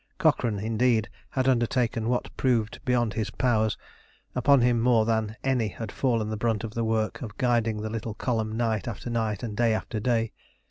Cochrane, indeed, had undertaken what proved beyond his powers; upon him more than any had fallen the brunt of the work of guiding the little column night after night and day after day.